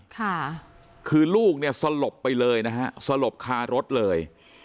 ค่ะคือลูกเนี่ยสลบไปเลยนะฮะสลบคารถเลย